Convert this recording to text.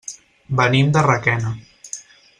Venim de Requena.